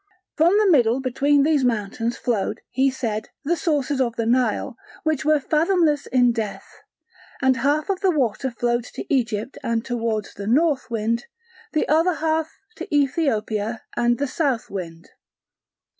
From the middle between these mountains flowed (he said) the sources of the Nile, which were fathomless in depth, and half of the water flowed to Egypt and towards the North Wind, the other half to Ethiopia and the South Wind.